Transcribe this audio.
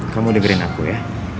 kamu dengerin aku ya